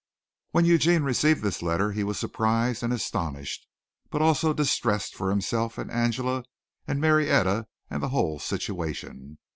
When Eugene received this letter he was surprised and astonished, but also distressed for himself and Angela and Marietta and the whole situation.